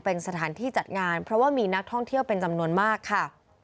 เป็นสถานที่จัดงานเพราะว่ามีนักท่องเที่ยวเป็นจำนวนมากค่ะ